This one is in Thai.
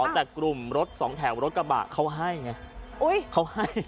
แต่กลุ่มรถ๒แถวรถกระบะเขาให้ไง